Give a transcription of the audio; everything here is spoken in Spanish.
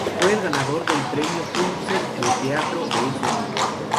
Fue el ganador del Premio Pulitzer de Teatro de ese año.